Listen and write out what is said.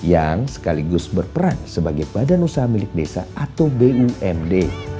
yang sekaligus berperan sebagai badan usaha milik desa atau bumd